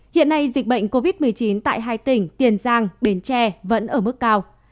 hiện nay dịch bệnh covid một mươi chín tại hai tỉnh tiền giang bến tre vẫn ở mức cao